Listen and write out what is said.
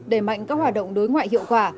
đề mạnh các hoạt động đối ngoại hiệu quả